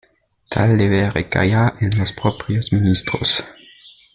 Tal deber recaía en los propios Ministros.